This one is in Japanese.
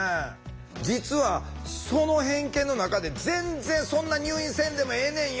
実はその偏見の中で全然そんな入院せんでもええねんよ。